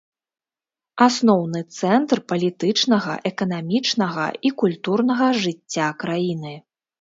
Асноўны цэнтр палітычнага, эканамічнага і культурнага жыцця краіны.